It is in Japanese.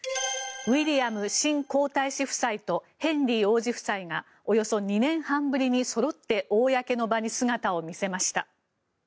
ウィリアム新皇太子夫妻とヘンリー王子夫妻がおよそ２年半ぶりにそろって公の場に姿を見せました。